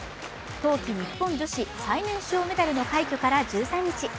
冬季日本女子最年少メダルの快挙から１３日。